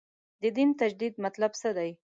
د دین تجدید مطلب څه دی.